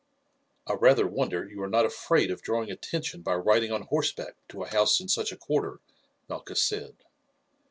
"I rather wonder you are not afraid of drawing attention by riding on horseback to a house in such a quarter," Malchus said.